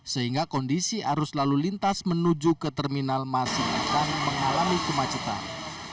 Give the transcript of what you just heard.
sehingga kondisi arus lalu lintas menuju ke terminal masih akan mengalami kemacetan